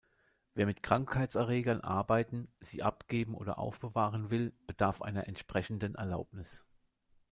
Wer mit Krankheitserregern arbeiten, sie abgeben oder aufbewahren will, bedarf einer entsprechenden Erlaubnis.